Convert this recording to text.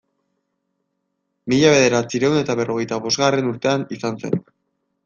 Mila bederatziehun eta berrogeita bosgarren urtean izan zen.